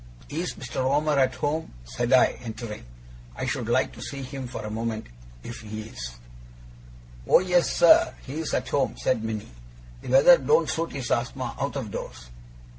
'Is Mr. Omer at home?' said I, entering. 'I should like to see him, for a moment, if he is.' 'Oh yes, sir, he is at home,' said Minnie; 'the weather don't suit his asthma out of doors.